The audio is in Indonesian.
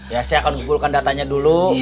ya saya akan kumpulkan datanya dulu